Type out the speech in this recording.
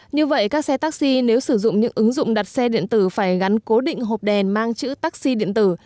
như vậy các xe taxi nếu sử dụng những ứng dụng đặt xe điện tử phải gắn cố định hộp đèn mang chữ taxi điện tử